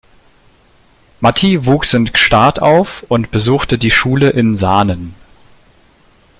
Matti wuchs in Gstaad auf und besuchte die Schule in Saanen.